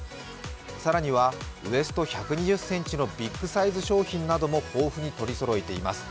更にはウエスト１２０ｃｍのビッグサイズ商品なども豊富に取りそろえています。